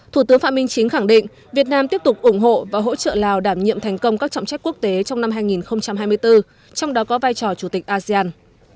thủ tướng phạm minh chính khẳng định việt nam tiếp tục ủng hộ và hỗ trợ lào đảm nhiệm thành công các trọng trách quốc tế trong năm hai nghìn hai mươi bốn trong đó có vai trò chủ tịch asean